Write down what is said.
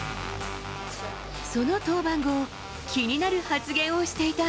その登板後、気になる発言をしていた。